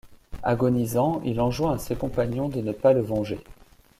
Agonisant il enjoint à ses compagnons de ne pas le venger.